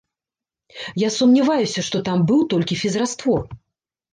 Я сумняваюся, што там быў толькі фізраствор.